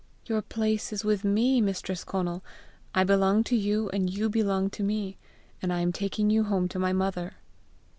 "Your place is with me, Mistress Conal! I belong to you, and you belong to me, and I am taking you home to my mother."